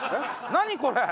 何これ！？